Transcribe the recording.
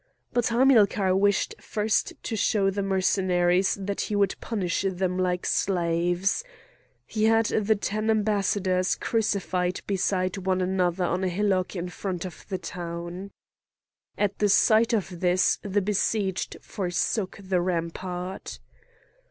But Hamilcar wished first to show the Mercenaries that he would punish them like slaves. He had the ten ambassadors crucified beside one another on a hillock in front of the town. At the sight of this the besieged forsook the rampart.